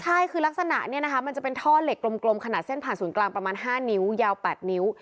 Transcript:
ใช่คือลักษณะเนี่ยนะคะมันจะเป็นท่อเหล็กกลมขนาดเส้นผ่านศูนย์กลางประมาณ๕นิ้วยาว๘นิ้ว